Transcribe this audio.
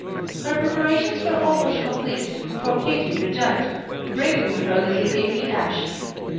Her preparations were almost complete before Katy returned, bringing with her little Amy Ashe.